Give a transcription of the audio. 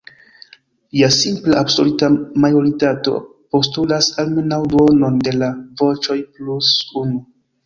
Ja simpla absoluta majoritato postulas almenaŭ duonon de la voĉoj plus unu.